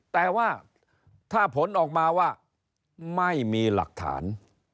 แต่ว่าถ้าผลออกมาว่าไม่มีหลักฐาน